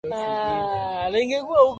Yeye hana chanzo cha kushinda uchaguzi